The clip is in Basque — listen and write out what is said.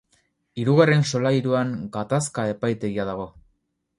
Hirugarren solairuan Gatazka epaitegia dago.